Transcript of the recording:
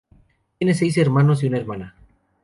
Tiene seis hermanos y una hermana.